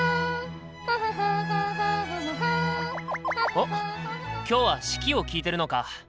おっ今日は「四季」を聴いてるのか。